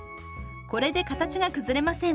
これで形が崩れません。